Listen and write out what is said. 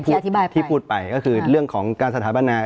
ที่พูดไปก็คือเรื่องของการสถาปนา